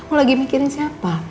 kamu lagi mikirin siapa